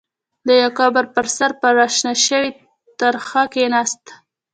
د يوه قبر پر سر پر را شنه شوې ترخه کېناسته.